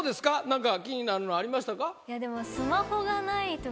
何か気になるのありましたか？